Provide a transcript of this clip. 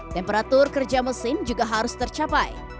temperatur kerja mesin juga harus tercapai